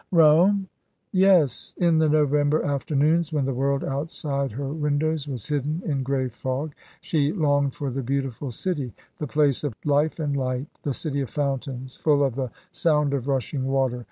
Rome? Yes, in the November afternoons when the world outside her windows was hidden in grey fog, she longed for the beautiful city, the place of life and light, the city of fountains, full of the sound of rushing water.